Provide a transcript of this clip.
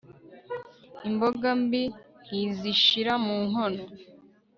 imboga mbi ntizishira mu nkono